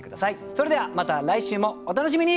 それではまた来週もお楽しみに。